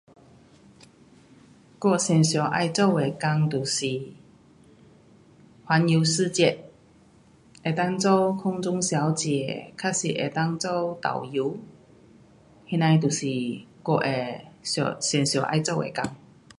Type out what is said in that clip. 我有最想要做的工就是环游世界。能够做空中小姐，还是能够做导游。些那的就是我会想最要做的工。